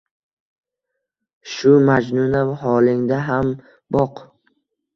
Shu majnuna holingda ham, boq